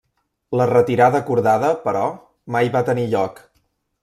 La retirada acordada, però, mai va tenir lloc.